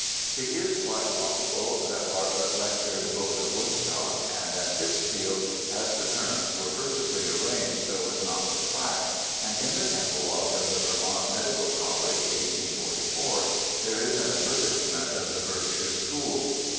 It is quite possible that Bartlett lectured both at Woodstock and at Pittsfield, as the terms were pur I20 BIOGRAPHICAL ESSAYS posely arranged so as not to clash, and in the catalogue of the Vermont Medical College, 1844, there is an advertisement of the Berkshire school.